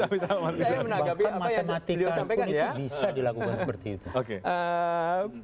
bahkan matematik pun itu bisa dilakukan seperti itu